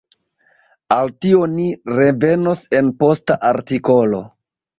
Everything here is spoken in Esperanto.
Al tio ni revenos en posta artikolo.